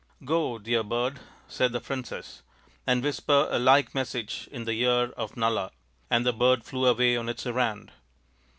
" Go, dear bird," said the princess, "and whisper a like message in the ear of Nala." And the bird flew away on its errand.